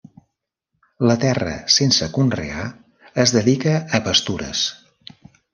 La terra sense conrear es dedica a pastures.